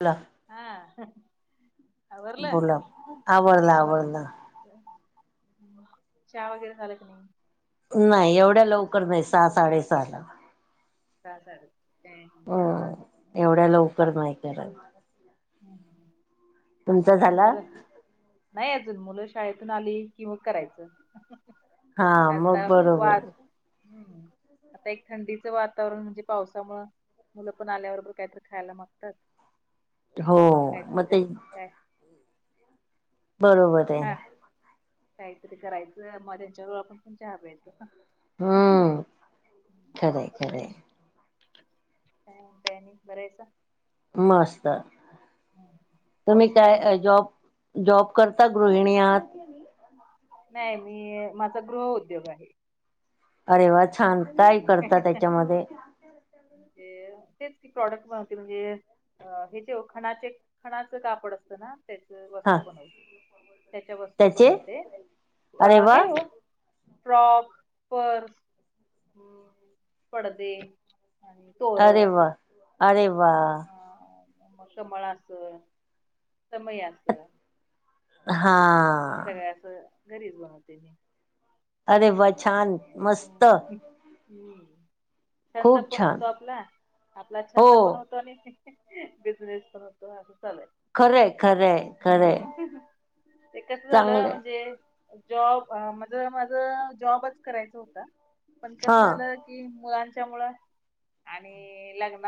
ला. हा आवरल बोला आवरलं आव आवरलं चहा वगैरे झालं क नाही. नाही एवढ्या लवकर नाही सहा साडेसहा ला सहा साडे हो एवढ्या लवकर नाही करत. हम्म ह तुमचा आमची झाला मुलं नाही अजून मुलं शाळेतून आली कि मग करायचं? हा मग आता बरोबर वाद हम्म आता एक थंडीचं वातावरण म्हणजे पावसामुळ. मुलं पण आल्याबरोबर काहीतरी खायला मागतात हो कायतरी मग ते काय. बरोबर आहे हा ना. काहीतरी करायचं मग त्यांच्यावर बसुन चहा प्यायच. [unintelligible] हम्म खरंय काय खरंय म्हणताय आणि बर आहेसा. मस्त तुम्ही पाऊस म्हणतोय काय तुमच्याकडं? जॉब जॉब करता गृहिणी आहात. नाही मी माझा गृहउद्योग आहे. अरे वा छान! काय करता त्याच्यामध्ये [inaudible] तेच की, प्रॉडक्ट [unintelligible] म्हणजे, हे चे ओ, खणाचे खणाचं कापड अस तना त्याच हा वस्तू बनवते. त्याच्या वस्तू त्याचे बनवते. अ अरे वा हे ओ फ्रॉक, पर्स हम् पडदे आणि अरे तोरण वा! अरे वा! मग कमळ आसन, समई आसन. हा! ते असं घरीच बनवते. मी अरे वा छा [unintelligible] छंद खूप पण छान होतो आपला, आपला हो छंद पण होतो आणि बिझनेस पण होतो, असं चालू आहे. खरंय, खरंय, खरंय. हम्म. ते कसं झालं चांगलंय म्हणजे, जॉब अ म्हणजे माझं जॉबच करायच होता. पण हा कसं झालं की, मुलांच्या मुळं आणि लग्न,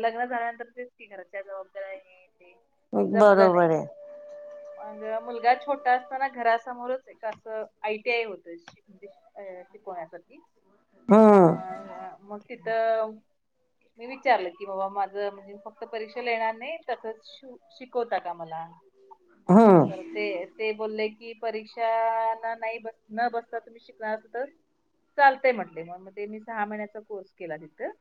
लग्न झाल्यानंतर तेच की, घरातल्या जबाबदाऱ्या हेन ते जमलं नाही. बरोबर आहे. मग मुलगा छोटा असताना घरासमोरच एक असं, आय टी आय होतं. शि अ शिकवण्यासाठी, हम्म मग अ मग तिथं मी विचारलं की, बाबा माझं, मी फक्त परीक्षेला येणार नाही. तसंच शिकवता का मला? हं! तर ते बोलले की, परीक्षाला न बसता तुम्ही शिकलात तर चालतय म्हटले मग, मग ते मी सहा महिन्याचा कोर्स केला. तिथं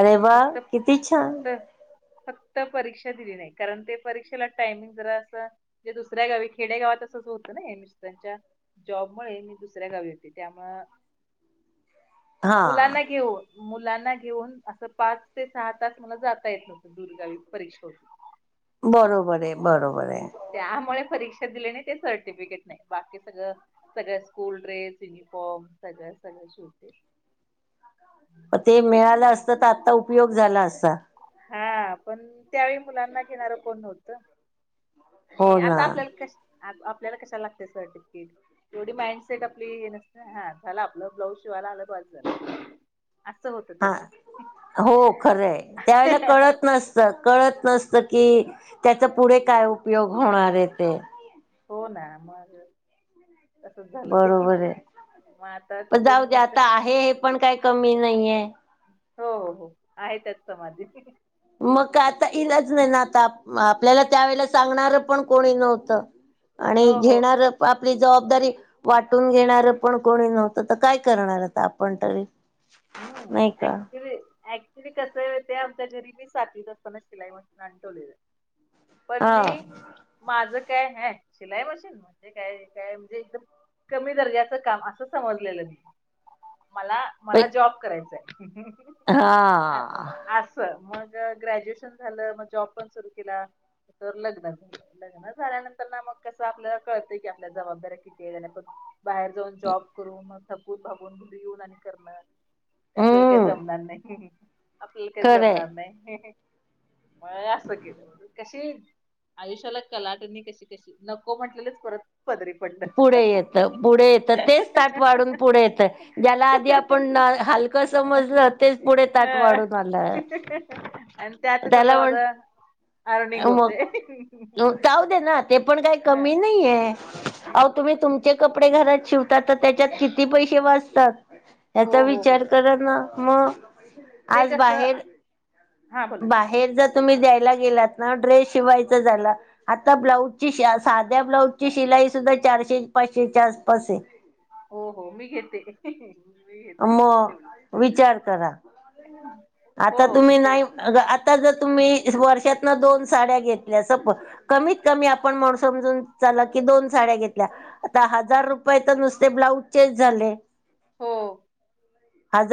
अरे वा किती छान फक्त परीक्षा दिली नाही. कारण ते परीक्षेला टायमिंग जरा असं, ते दुसऱ्या गावी खेडे गावात असंच होतं ना जॉबमुळे मी दुसऱ्या गावी होती. त्यामुळं हा मुलांना घेऊन मुलांना घेऊन असं पाच ते सहा तास मला जाता येतं नव्हतं, दूर गावी परीक्षेला. बरोबर आहे. बरोबर आहे. त्यामुळे परीक्षा दिले नाही. ते सर्टिफिकेट नाही. बाकी सगळं सगळं स्कूल ड्रेस, युनिफॉर्म, सगळं, सगळं शिवते. ते मिळालं असत, तर आता उपयोग झाला असता. हा पण त्यावेळी मुलांना घेणारं कोण नव्हतं. हो ना आता आपल्याला कश, आता आपल्याला कशाला लागतंय सर्टिफिकेट. एवढी माईंड सेट आपली, चला आपलं ब्लॉउज शिवायला आलं बसं झालं. असं होतं हा, तेव्हा हो खरं आहे. त्यावेेळेला कळत नस त कळत नसत की, त्याचा पुढे काय उपयोग होणार आहे ते, हो ना! मग तसच झालं ते बरोबर आहे. मग आता पण जाऊ तिथून दे मग कस आता आहे, हे पण काही कमी नाहीये. हो, हो, हो, आहे त्यात समाधी. मग काय आता, इलाज नाही ना आता, आपल्याला त्यावेेळेला सांगणार पण कोणी नव्हतं. आणि हो हो घेणार आपली जबाबदारी वाटून घेणार पण कोणी नव्हतं, तर काय करणार आपण तरी नाही हम्म का. ऍक्च्युली ऍक् ऍक्च्युली कसं, ते आमच्या घरी मी सातवीत असताना शिलाई मशीन आणून ठेवलेलं पण हा मी माझं काय हया शिलाई मशीन म्हणजे काय, काय म्हणजे एकदम कमी दर्जाचं काम असं समजलेलं मी मला, मला जॉब करायचायं हां असं, मग ग्रॅज्युएशन झालं, मग जॉब पण सुरू केला. तोवर लग्न, लग्न झाल्यानंतरन आम्हाला कसं आपलं कळतंय की जबाबदाऱ्या किती गेल्यानंतर, बाहेर जाऊन जॉब करून थकून भागून येऊन आणि करणं, आपल्याला कायं हम्म जमणार नाही. आपल्याला काय खरंय. जमणार नाही म असं केलं कशी आयुष्याला कलाडणी कशी कशी नको म्हटलेलेच परत पदरी पडलं. पुढे येत, पुढे येतं तेच ताट वाढून पुढे येतं ज्याला आधी आपण हलकं समजलं तेच पुढे ताट ह वाढून आलं आणि त्यातच त्याला कसं म्हण आता अर्निंग मग होतंय जाऊ दे ना ते पण काय कमी नाहीयेयं अ तुम्ही तुमचे कपडे घरात शिव त्याचा त्येच्यात किती पैसे वाचतात, हो हेचा हो हो विचार करा ना म ते आज कसं बाहेर हा बोला हेचं जर तुम्ही द्यायला गेलात ना, ड्रेस शिवायचा झालां आता ब्लाऊजची शा, साध्या ब्लाऊजची शिलाई सुद्धा चारशे पाचशेच्या आसपास हे हो हो मी घेते. [unintelligible] अमो तेवढी विचार करा हो आता हो तुम्ही नाही, तेच आता जर तुम्ही वर्षातन दोन साड्या घेतल्या स प कमीत कमी आपण म समजून चला की दोन साड्या घेतल्या. आता हजार रुपय तर नुसते ब्लाऊजचेच झाले. हो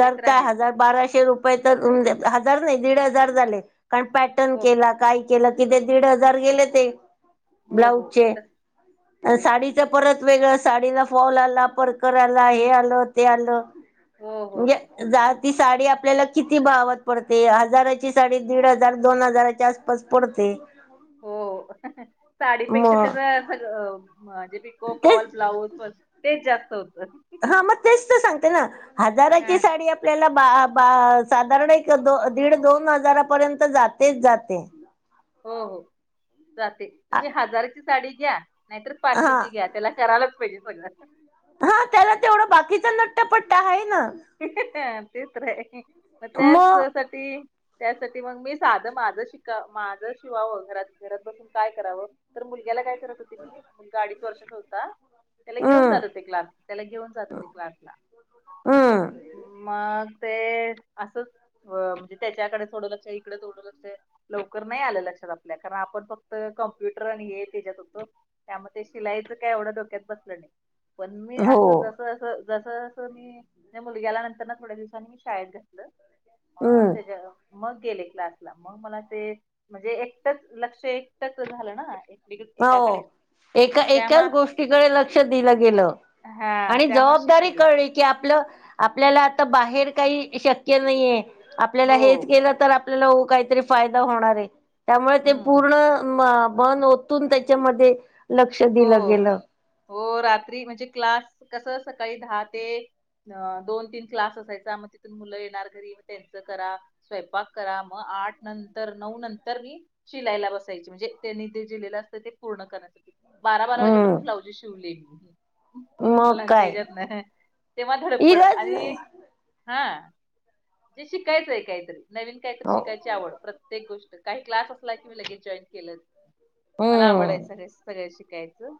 ते तर काय, आहेच हजार बाराशे रुपय हजार नाही दीड हजार झाले, कारण पॅटर्न हो केला काय केला की ते दीड हजार गेले ते हो हो ब्लाऊजचे, तस आणि आहेच साडी ते परत वेगळ साडीला फॉल आला, परकर आला हे आलं ते आलं हो हो म्हणजे हो जरा ती साडी आपल्याला किती भावात पडते, हजाराची साडी दीड हजार दोन हजाराच्या आसपास पडते हो साडीपेक्षा मग त्येज सगळ म किती पिको, तेच फॉल, ब्लाउज तेच जास्त होतं हा मग तेच ते सांगते ना, हा. हजाराची साडी आपल्याला बा, बा साधारण एक दीड दोन हजारापर्यंत जातेच जाते. हो, हो जाते तुम्ही हजाराची साडी घ्या नाहीतर हा पाचशेची घ्या त्याला करायलाच पाहिजे सगळं हा त्याला तेवढं बाकीचा नट्टपट्टा आहे ना हा तेच र, मग त्याच साठी त्यासाठी मग मी साधं माझं शिका माझं शिवावं घरात घरात बसून काय करावं तर मुलग्याला काय करत होते मी, मुलगा अडीच वर्षांचा होता त्याला घेऊन हम्म जात होते क्लासला, त्याला घेऊन जात होते क्लासला. हं. मग ते असंच म्हणजे त्याच्याकडे थोडं लक्ष इकडे थोडं लक्ष. लवकर नाही आलं लक्षात आपल्या. कारण आपण फक्त कम्प्युटर आणि हे त्याच्यात होतो. त्याम ते शिलाईच काय एवढं डोक्यात बसलं नाही. पण मी हो असं, जस अस जस जसं मी- [unintelligible] मुलग्याला नंतर ना थोड्या दिवसांनी मी शाळेत घातलं. हम्म [unintelligible] मग गेले क्लासला. मग मला ते -म्हणजे एकटच लक्ष [unintelligible] झालं ना? एकेक टा कडे. हो एका एकाच गोष्टीकडे लक्ष दिलं गेलं. हा आणि त्यामुळे जबाबदारी शिकले कळली. की आपल, आपल्याला आता बाहेर काही शक्य नाहीेए. आपल्याला हो हेच केलं तर- [unintelligible] काहीतरी फायदा होणार आहे. त्यामुळे ते हम्म पूर्ण बंद- -तून त्याच्यामध्ये लक्ष हो दिलं हो गेलं. हो. रात्री म्हणजे क्लास कस, दहा ते- अ दोन तीन क्लास असायचा. मग तिथून मुलं येणार घरी म त्यांचं करा. स्वयंपाक करा. म आठ नंतर नऊ नंतर मी - शिलाइला बसायची. म्हणजे त्यांनी ते जे दिलेलं असतं ते पूर्ण करण्यासाठी. बारा बारा हम्म वाजेपर्यंत ब्लाउज शिवलेय मी. मग मुलांच्या काय हच्यात नाही. तेव्हा धडपड इलाज नाही आणि- हा. जे शिकायचं आहे काहीतरी. नवीन काहीतरी हो शिकायची आवड. प्रत्येक- -तेक गोष्ट. काही क्लास असला की मी लगेच जॉईन केलंच. मला आवडायच हम्म हे सगळ शि - -कायचं.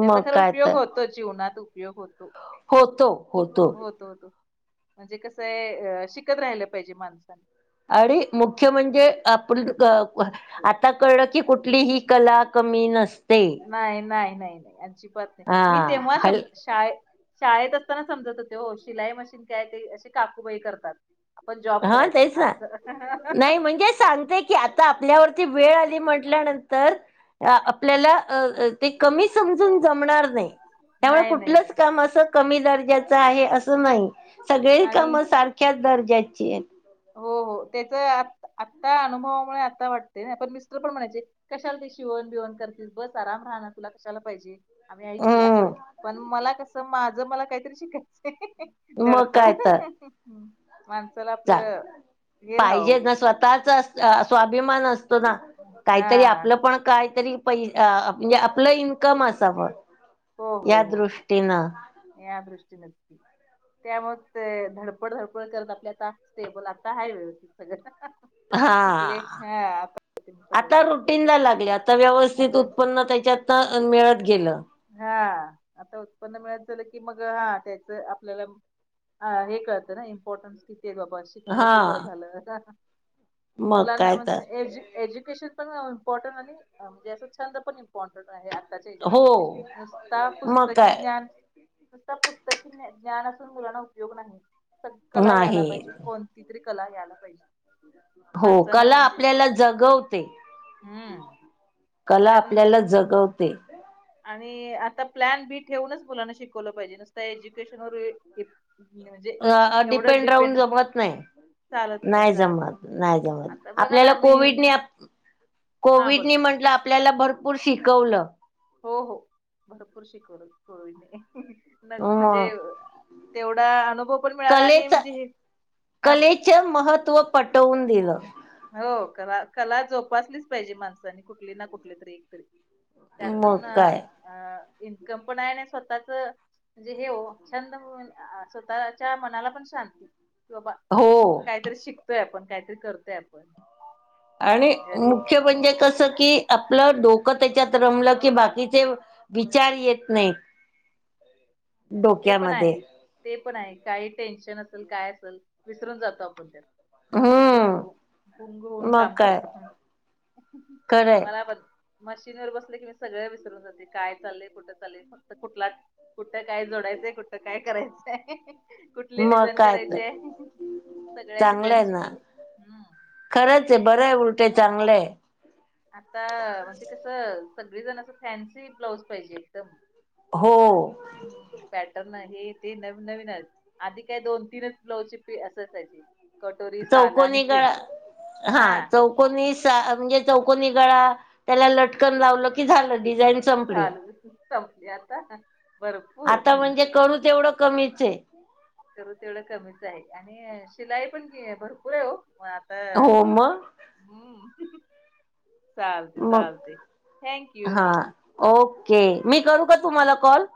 त्याचा मग खर काय उपयोग तर होतो. जीवनात उपयोग होतो. होतो. कुठ होतो. होतो. होतो. म्हणजे कसंय. अ शिकत राहिलं पाहिजे माणसानं. आणि मुख्य म्हणजे आपण [unintelligible] आता कळलं की कुठलीही कला कमी नस- नाही नाही. नाही नाही. अजिबात नाही. हा मी तेव्हा हल समज- शाळ शाळेत असताना समजत होते हो. शिलाई मशीन काय ते अशे काकूबाई करतात. आपण जॉब हां. तेच करायचा ना. असं नाही म्हणजे सांगते की आ- -त्ता आपल्यावरती वेळ आली म्हटल्यानंतर- अ आपल्याला ते कमी समजून जमणार नाही. त्यामुळे नाही नाही कुठलंच नाही काम असं कमी दर्जाचं आहे असं नाही. सगळे आणि काम सार- -खायचं दर्जाचीए. हो. हो. त्याच आ आता अनुभवामुळे आता वाटते. [unintelligible] मिस्टर पण म्हणायचे- कशाला ते शिवण बिवण करतीस. बस आराम [unintelligible] तुला कशाला पाहिजे. आम्ही ऐ क असं. हम्म पण मला कसं माझं मला काहीतरी शिकायचय. मग धडपड काय तर [unintelligible] माणसाला. आपलं हे पाहिजे राहावं ना स्वतःच अस- स्वाभिमान असतो ना? काहीतरी हा आपलं पण काहीतरी. प म्हणजे आपलं इन्कम असाव. हो. हो. हो. हो. म या दृष्टीन [unintelligible] त्यामुळेच ते धडपड धडपड करत आपल्या आता स्टेबल आता आहे व्यवस्थित. सगळ. हा. सगळं आता व्यवस्थित आहे रुटीनला लागले. आता व्यवस्थित आता उत्पन्न त्याच्यात- अ मिळत गेलं. हा आता उत्पन्न मिळायचं झालं की, मग हा त्याच आपल्याला ह हे कळत ना इंपॉर्टन्स किती आहेे बाबा अस. शिकलो ते बरं हा झालं, मग मुलांना काय तर म्हणजे एज एज्युकेशन पण इंपॉर्टन्ट आणि म्हणजे अस छंद पण इंपॉर्टन्ट आहे यात आताच्या हो हेच्यामध्ये, नुसता मग पुस्तकी काय ज्ञान नुसता पुस्तकी ज्ञान असून मुलांना उपयोग नाही, सग कला यायला नाही पाहिजे. कोणती तरी कला यायला पाहिजे. हो माणसाना कला म्हणजे आपल्याला जगवते. हम्म. कला कारण आपल्याला जगवते. आणि आता प्लॅन बी ठेवूनच मुलांना शिकवलं पाहिजे. नुसता एज्युकेशन व अ डिपेंड राहून जमत नाही. नाही जमत नाही जमत आता बघा ना आपल्याला मी कोविडने हा बोला कोविडनी म्हटलं, आपल्याला भरपूर शिकवलं. हो हो भरपूर शिकवल कोविडने नग म म्हणजे तेवढा अनुभव पण मिळाला आणि म्हणजे हे हा बोला. ते महत्त्व पटवून दिलं. हो कला कला जोपासलीच पाहिजे माणसानी कुठली ना कुठली तरी एकतरी. त्यातून मग काय अ इन्कम पण आहे आणि स्वतःच म्हणजे हे हो छंद स्वतः च्या मनाला पण शांती की, बाबा हो. काहीतरी शिकतोय आपण, काहीतरी करतोय आपण. आणि घरी मुख्य म्हणजे कसं की आपलं डोकं त्याच्यात रमलं की, बाकीचे विचार येत नाहीत. ते पण डोक्यामध्ये आहे, ते पण आहे. काही टेन्शन असेल, काय असेल, विसरून जातो आपण त्यात. गुंग हम्म हो गुंग होऊन मग काम काय करतो, खरंय मला पण मशीन वर बसले की, मी सगळ विसरून जाते. काय चाललय? कुठं चाललय? फक्त कुठला कुठ काय जोडायचंय, कुठं काय करायचंय? कुठली मग डिझाईन काय करायचीय? सगळ्या डिझाईन चांगलंय ना शिकले. हम्म. खरंच आहे. बरंय. उलट चांगलंय. आता म्हणजे कसं सगळीजण अस, फॅन्सी ब्लाऊज पाहिजे एकदम हो. हम्म, पॅटर्न हे ते नवी नवीनेत. आधी काय दोन, तीनच ब्लाऊजची अस असायची. चौकोनी गळा हा चौ कोणी म्हणजे चौकोनी गळा, त्याला लटकन लावलं की, झालं डिझाइन झाली. संपली आता, भरपूर. ते करू तेवढं कमीचे. करू तेवढं कमीच आहे आणि शिलाई पण भरपूर आहे हो हो मग हम्म. चालतय मग चालतय, थँंक यू. हा ओके, मी करू का तुम्हाला कॉल?